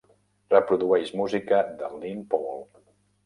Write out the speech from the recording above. Reprodueix música de Lyn Paul